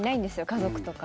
家族とか。